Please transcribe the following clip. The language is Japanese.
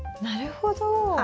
なるほど。